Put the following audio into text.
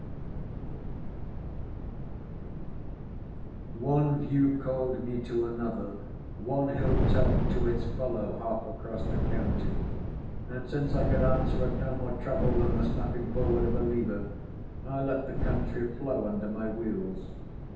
"THEY" One view called me to another; one hill top to its fellow, half across the county, and since I could answer at no more trouble than the snapping forward of a lever, I let the country flow under my wheels.